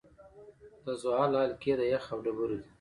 د زحل حلقې د یخ او ډبرو دي.